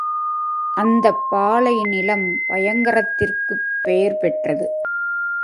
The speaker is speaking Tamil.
அந்தப் பாலைநிலம் பயங்கரத்திற்குப் பேர் பெற்றது.